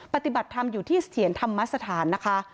ปฏิบัติธรรมอยู่ที่เถียรธรรมสถานนะคะ